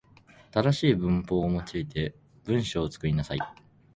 正しい文法を用いて文章を作りなさい。